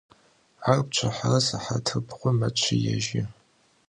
Ar pçıhere sıhatır bğum meççıêjı.